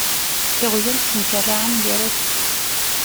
Iɣyal ttemkerraɛen gar-sen.